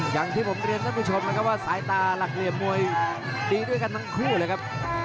อย่างที่ผมเรียนท่านผู้ชมนะครับว่าสายตาหลักเหลี่ยมมวยดีด้วยกันทั้งคู่เลยครับ